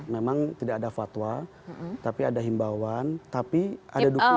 memang tidak ada fatwa tapi ada himbauan tapi ada dukungan